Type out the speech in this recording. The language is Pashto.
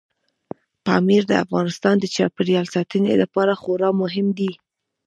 پامیر د افغانستان د چاپیریال ساتنې لپاره خورا مهم دی.